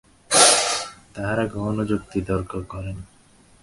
তাঁহারা কখনও যুক্তি বা তর্ক করেন না।